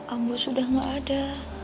ambo sudah gak ada